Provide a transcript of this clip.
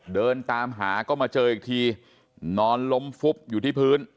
เดินตามหาก็มาเจออีกทีนอนล้มฟุบอยู่ที่พื้น